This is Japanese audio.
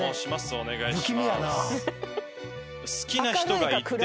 お願いします。